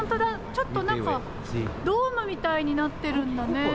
ちょっと何かドームみたいになってるんだね。